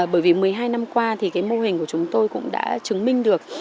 bởi vì một mươi hai năm qua thì cái mô hình của chúng tôi cũng đã chứng minh được